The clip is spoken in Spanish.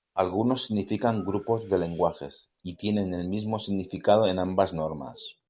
Algunos significan "grupos de lenguajes" y tienen el mismo significado en ambas normas.